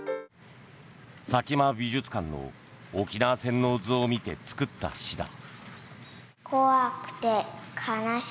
佐喜眞美術館の「沖縄戦の図」を見て作った詩だ。